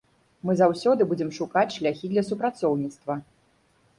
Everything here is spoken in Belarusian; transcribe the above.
Мы заўсёды будзем шукаць шляхі для супрацоўніцтва.